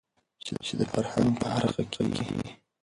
چې د فرهنګ په هره برخه کې يې